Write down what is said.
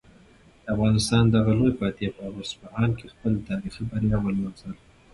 د افغانستان دغه لوی فاتح په اصفهان کې خپله تاریخي بریا ولمانځله.